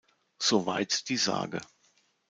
Soweit die Sage.